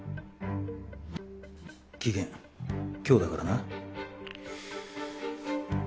期限今日だからな。